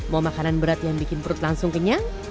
mau makanan berat yang bikin perut langsung kenyang